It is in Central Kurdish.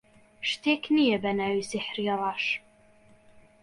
شتێک نییە بە ناوی سیحری ڕەش.